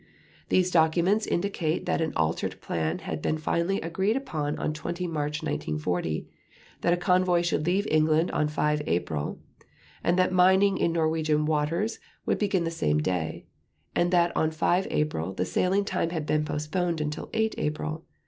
These documents indicate that an altered plan had been finally agreed upon on 20 March 1940, that a convoy should leave England on 5 April, and that mining in Norwegian waters would begin the same day; and that on 5 April the sailing time had been postponed until 8 April.